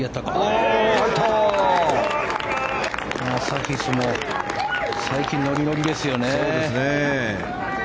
サヒスも最近、ノリノリですよね。